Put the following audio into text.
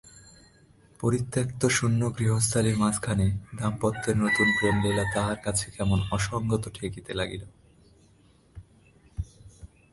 পরিত্যক্ত শূন্য গৃহস্থালির মাঝখানে দাম্পত্যের নূতন প্রেমলীলা তাহার কাছে কেমন অসংগত ঠেকিতে লাগিল।